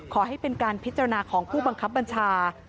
ขอให้เป็นการพิจารณาของผู้บังคับบัญชา